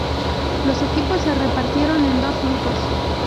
Los equipos se repartieron en dos grupos.